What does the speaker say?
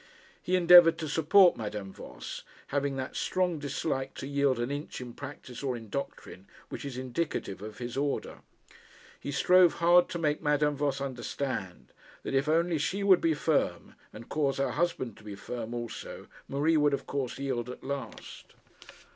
He endeavoured to support Madame Voss, having that strong dislike to yield an inch in practice or in doctrine, which is indicative of his order. He strove hard to make Madame Voss understand that if only she would be firm and cause her husband to be firm also, Marie would, of course, yield at last.